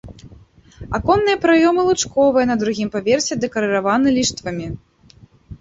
Аконныя праёмы лучковыя, на другім паверсе дэкарыраваны ліштвамі.